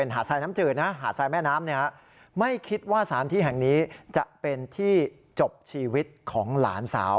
หาดทรายแม่น้ำไม่คิดว่าสารที่แห่งนี้จะเป็นที่จบชีวิตของหลานสาว